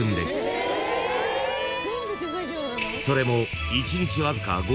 ［それも］